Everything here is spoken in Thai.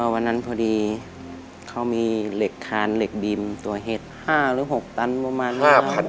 วันนั้นพอดีเขามีเหล็กคานเหล็กดินตัวเห็ด๕หรือ๖ตันประมาณนี้ครับ